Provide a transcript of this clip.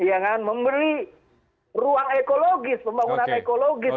ya kan memberi ruang ekologis pembangunan ekologis